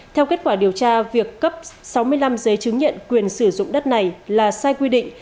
theo kết quả điều tra việc cấp sáu mươi năm giấy chứng nhận quyền sử dụng đất này là sai quy định